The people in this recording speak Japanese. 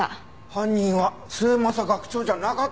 犯人は末政学長じゃなかったって事？